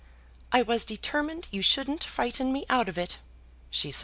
"I was determined you shouldn't frighten me out of it," she said.